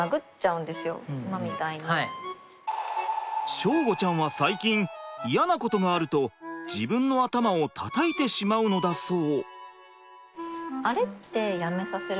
祥吾ちゃんは最近嫌なことがあると自分の頭をたたいてしまうのだそう。